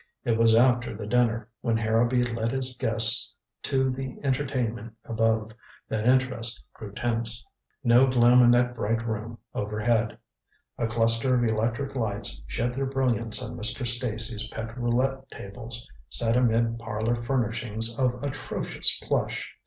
It was after the dinner, when Harrowby led his guests to the entertainment above, that interest grew tense. No gloom in that bright room overhead. A cluster of electric lights shed their brilliance on Mr. Stacy's pet roulette tables, set amid parlor furnishings of atrocious plush.